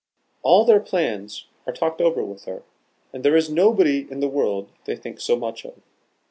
All their plans are talked over with her, and there is nobody in the world they think so much of."